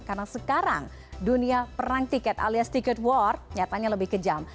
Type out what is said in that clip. karena sekarang dunia perang tiket alias tiket war nyatanya lebih kejam